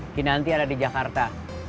kinanti ada di jakarta